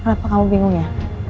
kenapa kamu bingung ya